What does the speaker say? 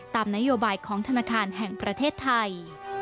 ตามนโยบายของธนาคารแห่งประเทศไทย